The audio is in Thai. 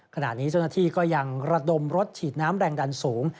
ขณะนี้เจ้าหน้าที่ก็ยังระดมรถฉีดน้ำแรงดันสูง